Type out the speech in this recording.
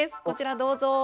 こちらどうぞ。